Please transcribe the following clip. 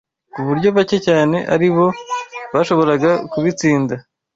ku buryo bake cyane ari bo bashoboraga kubitsinda.